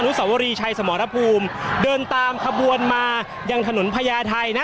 สวรีชัยสมรภูมิเดินตามขบวนมายังถนนพญาไทยนะ